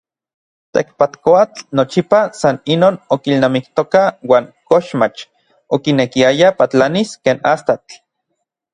Tekpatkoatl nochipa san inon okilnamiktoka uan koxmach okinekiaya patlanis ken astatl.